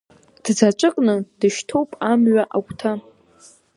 Дзаҵәыкны дышьҭоуп амҩа агәҭа.